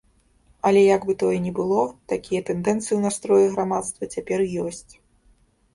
Але як бы тое ні было, такія тэндэнцыі ў настроі грамадства цяпер ёсць.